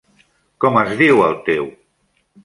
Com es diu el teu.?